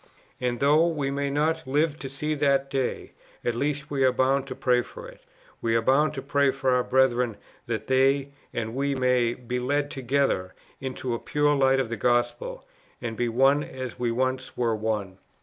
And though we may not live to see that day, at least we are bound to pray for it; we are bound to pray for our brethren that they and we may be led together into the pure light of the gospel, and be one as we once were one.